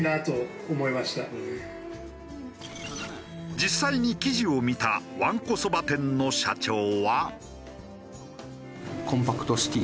実際に記事を見たわんこそば店の社長は。